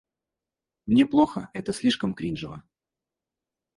Мне плохо, это слишком кринжово.